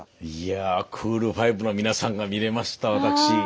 いやぁクール・ファイブの皆さんが見れました私。